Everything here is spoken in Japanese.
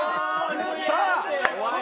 さあ！